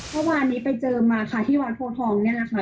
เมื่อวานนี้ไปเจอมาค่ะที่วัดโพทองเนี่ยนะคะ